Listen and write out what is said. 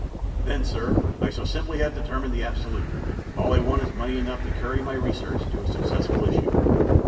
"Then, sir, I shall simply have determined the absolute. All I want is money enough to carry my research to a successful issue."